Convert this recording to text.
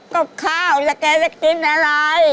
กับข้าวแล้วแกจะกินอะไร